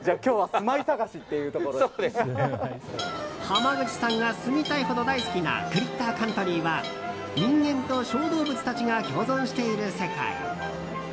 濱口さんが住みたいほど大好きなクリッターカントリーは人間と小動物たちが共存している世界。